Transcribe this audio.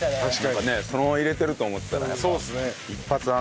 そのまま入れてると思ってたらやっぱ一発あるんだ。